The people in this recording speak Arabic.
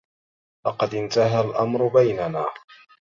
لقد انتهي الأمر بيننا